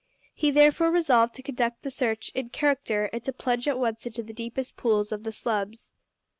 He therefore resolved to conduct the search in character, and to plunge at once into the deepest pools of the slums.